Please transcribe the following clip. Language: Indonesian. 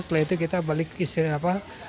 setelah itu kita balik istirahat